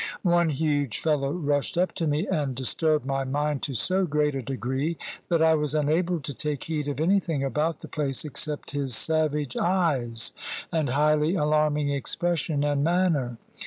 One huge fellow rushed up to me, and disturbed my mind to so great a degree that I was unable to take heed of anything about the place except his savage eyes and highly alarming expression and manner.